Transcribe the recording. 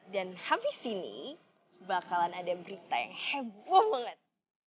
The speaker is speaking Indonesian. dan habis ini bakalan ada berita yang heboh banget